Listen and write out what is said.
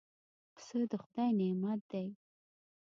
پسه د خدای نعمت دی.